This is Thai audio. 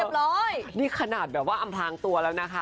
ร้อยนี่ขนาดแบบว่าอำพลางตัวแล้วนะคะ